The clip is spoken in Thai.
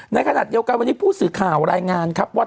ในขณะเดียวกันวันนี้ผู้สื่อข่าวรายงานครับว่า